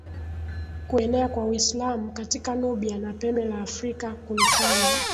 Kuenea kwa Uislamu katika Nubia na Pembe la Afrika kulifanya